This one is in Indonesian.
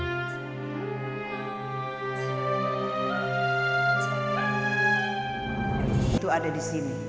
itu ada disini